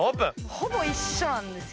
ほぼ一緒なんですけど。